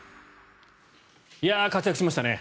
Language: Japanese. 活躍しましたね。